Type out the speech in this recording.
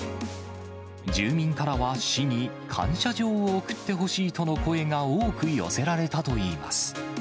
住民からは市に、感謝状を贈ってほしいとの声が多く寄せられたといいます。